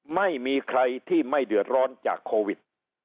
ไม่มีใครที่ไม่เดือดร้อนจากโควิด